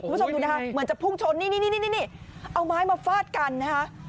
คุณผู้ชมดูนะคะเหมือนจะพุ่งชนนี่นี่เอาไม้มาฟาดกันนะคะ